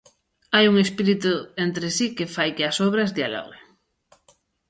Hai un espírito entre si que fai que as obras dialoguen.